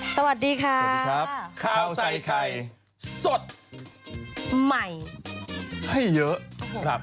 สวัสดีค่ะสวัสดีครับข้าวใส่ไข่สดใหม่ให้เยอะครับ